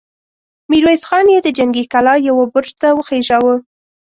ميرويس خان يې د جنګي کلا يوه برج ته وخېژاوه!